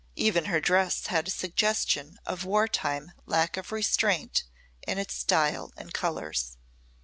Even her dress had a suggestion of wartime lack of restraint in its style and colours.